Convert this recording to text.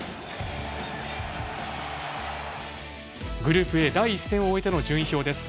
グループＡ、第１戦を終えての順位表です。